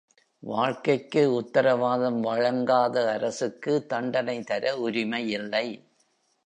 வாழ்க்கைக்கு உத்தரவாதம் வழங்காத அரசுக்கு தண்டனை தர உரிமையில்லை.